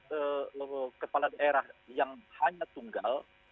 kepala daerah yang hanya tunggal